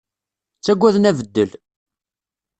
Ttagaden abeddel.